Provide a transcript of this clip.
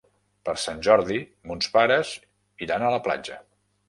Per Sant Jordi mons pares iran a la platja.